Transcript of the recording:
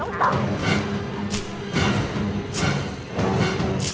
โอ้กลัวช่วยทำไม